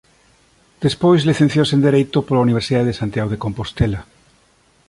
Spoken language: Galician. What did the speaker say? Despois licenciouse en Dereito pola Universidade de Santiago de Compostela.